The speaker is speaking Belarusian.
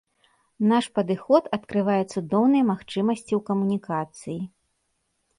Наш падыход адкрывае цудоўныя магчымасці ў камунікацыі.